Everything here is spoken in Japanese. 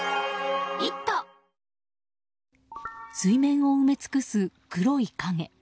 水面を埋め尽くす黒い影。